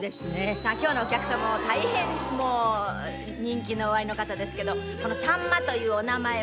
さあ今日のお客様は大変もう人気のおありの方ですけどこのさんまというお名前はなんか家業の？